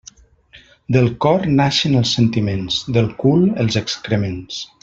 Del cor naixen els sentiments, del cul els excrements.